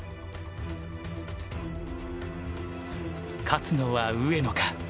勝つのは上野か